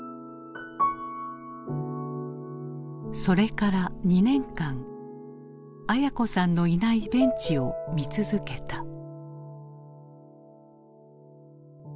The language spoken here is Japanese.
それから２年間文子さんのいないベンチを見続けた。